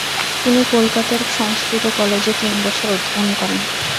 তিনি কলকাতার সংস্কৃত কলেজে তিন বছর অধ্যয়ন করেন।